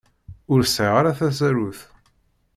Ur sɛiɣ ara tasarut.